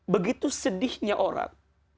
begitu sedihnya orang